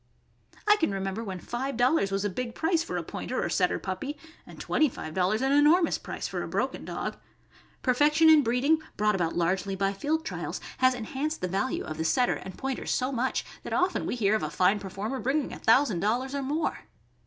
I can remember when five dollars was a big price for a Pointer or Setter puppy, and twenty five dollars an enor mous price for a broken dog. Perfection in breeding, brought about largely by field trials, has enhanced the value THE IEISH WATEE SPANIEL. 297 of the Setter and Pointer so much that often we hear of a fine performer bringing a thousand dollars or more.